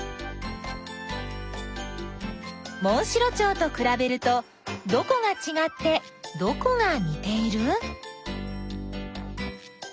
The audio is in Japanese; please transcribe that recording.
モンシロチョウとくらべるとどこがちがってどこがにている？